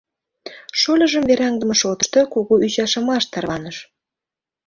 Шольыжым вераҥдыме шотышто кугу ӱчашымаш тарваныш.